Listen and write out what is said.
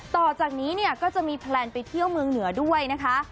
ต่อจากนี้เนี่ยก็จะมีแพลนไปเที่ยวเมืองเหนือด้วยนะคะ